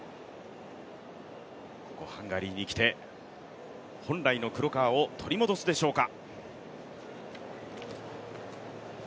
ハンガリーに来て本来の黒川を取り戻すでしょうか。